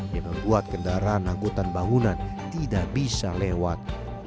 yang membuat kendaraan angkutan bangunan tidak bisa lewat